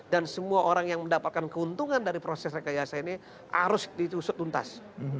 dan semua orang yang mendapatkan keuntungan dari proses rekayasa ini harus dituntas